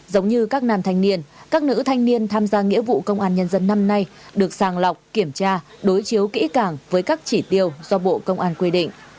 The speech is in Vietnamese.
giống như các nam thanh niên các nữ thanh niên tham gia nghĩa vụ công an nhân dân năm nay được sàng lọc kiểm tra đối chiếu kỹ càng với các chỉ tiêu do bộ công an quy định